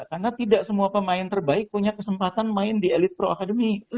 karena tidak semua pemain terbaik punya kesempatan main di elite pro academy